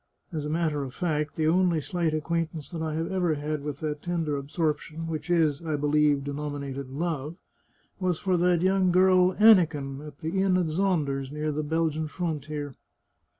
" As a matter of fact, the only slight acquaintance that I have ever had with that tender absorption which is, I believe, denominated love, was for that young girl Aniken, at the inn at Zonders, near the Belgian frontier."